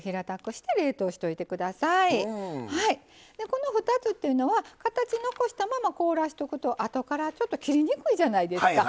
この２つっていうのは形残したまま凍らしとくとあとからちょっと切りにくいじゃないですか。